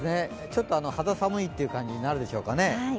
ちょっと肌寒い感じになるでしょうかね。